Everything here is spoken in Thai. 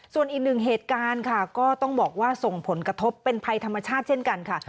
ส่วนอีกหนึ่งเหตุการณ์ค่ะก็ต้องบอกว่าส่งผลกระทบเป็นภัยธรรมชาติเช่นกันค่ะ